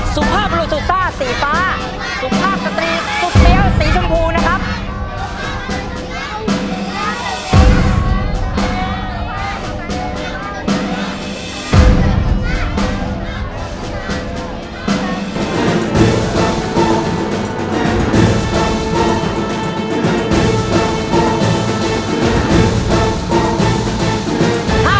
สุภาพบลูซูซ่าสีฟ้าสุภาพสตรีสุดเฟี้ยวสีชมพูนะครับ